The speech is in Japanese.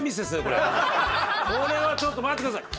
これはちょっと待ってください。